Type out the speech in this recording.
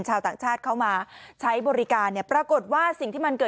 ชาวต่างชาติเข้ามาใช้บริการเนี่ยปรากฏว่าสิ่งที่มันเกิด